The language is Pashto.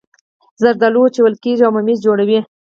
زردالو وچول کیږي او ممیز جوړوي